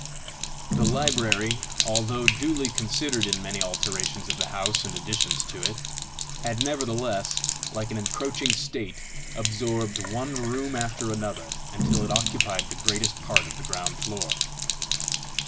The library, although duly considered in many alterations of the house and additions to it, had nevertheless, like an encroaching state, absorbed one room after another until it occupied the greater part of the ground floor.